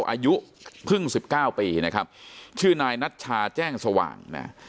อายุเพิ่ง๑๙ปีนะครับชื่อนายนัชชาแจ้งสว่างนะ